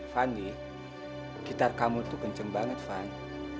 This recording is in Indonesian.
fandi gitar kamu tuh kenceng banget fan